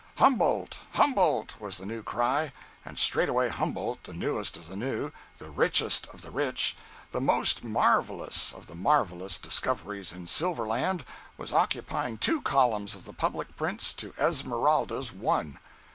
"Humboldt! Humboldt!" was the new cry, and straightway Humboldt, the newest of the new, the richest of the rich, the most marvellous of the marvellous discoveries in silver land was occupying two columns of the public prints to "Esmeralda's" one.